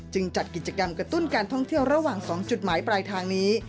จัดกิจกรรมกระตุ้นการท่องเที่ยวระหว่าง๒จุดหมายปลายทางนี้